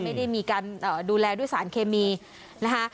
ไม่ได้มีการดูแลด้วยสารเคมีนะคะ